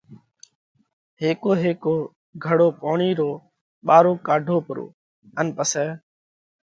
ھيڪو ھيڪو گھڙو پوڻي رو ٻارو ڪاڍو پرو ان پسئہ